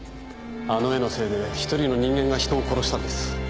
あの絵のせいでひとりの人間が人を殺したんです。